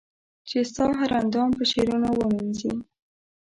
چي ستا هر اندام په شعرونو و مېنځنې